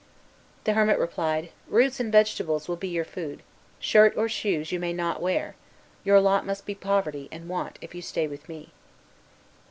The hermit replied, "Roots and vegetables will be your food; shirt or shoes you may not wear; your lot must be poverty and want if you stay with me."